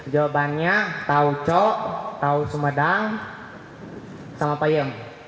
jawabannya tahu cok tahu sumedang sama apa ya